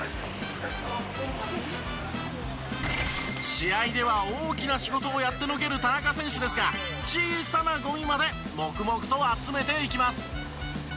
試合では大きな仕事をやってのける田中選手ですが小さなゴミまで黙々と集めていきます。